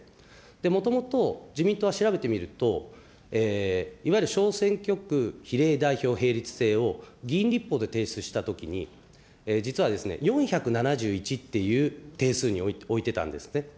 もともと自民党は調べてみると、いわゆる小選挙区比例代表並立制を議員立法で提出したときに、実は４７１という定数に置いてたんですね。